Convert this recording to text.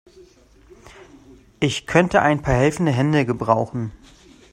Ich könnte ein paar helfende Hände gebrauchen.